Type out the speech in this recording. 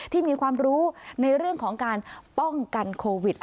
ที่มีความรู้ในเรื่องของการป้องกันโควิด